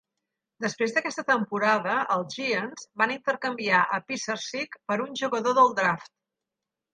Després d'aquesta temporada, els Giants van intercanviar a Pisarcik per un jugador del draft.